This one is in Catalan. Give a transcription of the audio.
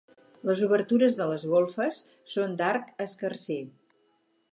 Les obertures de les golfes són d'arc escarser.